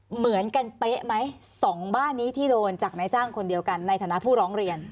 เหมือนกันเป๊ะไหมสองบ้านนี้ที่โดนจากนายจ้างคนเดียวกันในฐานะผู้ร้องเรียน